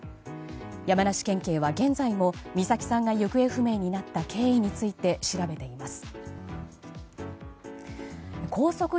山梨県警は現在も美咲さんが行方不明になった経緯について調べています。